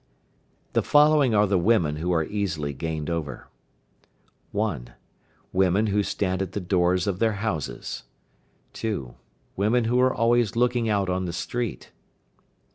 The following are the women who are easily gained over. 1. Women who stand at the doors of their houses. 2. Women who are always looking out on the street.